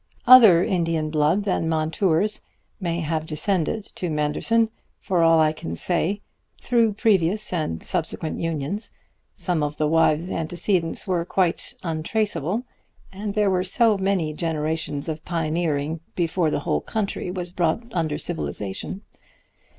Other Indian blood than Montour's may have descended to Manderson, for all I can say, through previous and subsequent unions; some of the wives' antecedents were quite untraceable, and there were so many generations of pioneering before the whole country was brought under civilization.